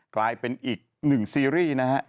กลายเป็นอีกหนึ่งซีรีส์นะฮะ